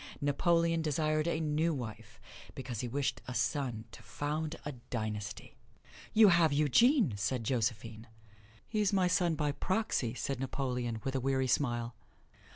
Napoleon desired a new wife, because he wished a son to found a dynasty. "You have Eugene!" said Josephine. "He's my son by proxy," said Napoleon, with a weary smile.